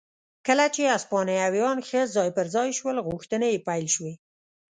کله چې هسپانویان ښه ځای پر ځای شول غوښتنې یې پیل شوې.